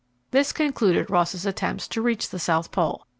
This concluded Ross's attempts to reach the South Pole.